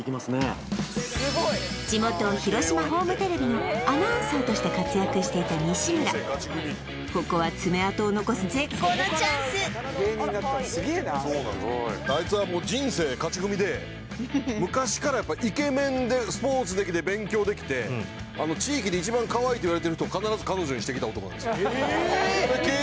地元広島ホームテレビのアナウンサーとして活躍していた西村ここはあいつはもう昔からイケメンでスポーツできて勉強できて地域で一番かわいいといわれてる人を必ず彼女にしてきた男なんですよえーっ！？